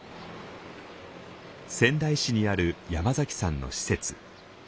仙台市にある山崎さんの施設。